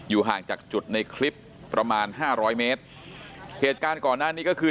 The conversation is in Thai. ห่างจากจุดในคลิปประมาณห้าร้อยเมตรเหตุการณ์ก่อนหน้านี้ก็คือ